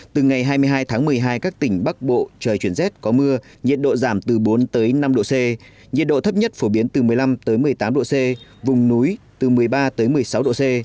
từ ngày hai mươi hai tháng một mươi hai các tỉnh bắc bộ trời chuyển rét có mưa nhiệt độ giảm từ bốn tới năm độ c nhiệt độ thấp nhất phổ biến từ một mươi năm một mươi tám độ c vùng núi từ một mươi ba một mươi sáu độ c